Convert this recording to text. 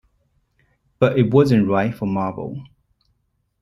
But it wasn't right for Marvel.